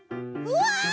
うわ！